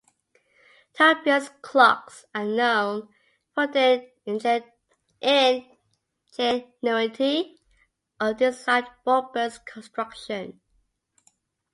Tompion's clocks are known for their ingenuity of design and robust construction.